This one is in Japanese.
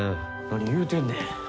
何言うてんねん。